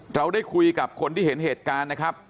เราได้คุยกับคนที่เห็นเหตุการณ์นะครับ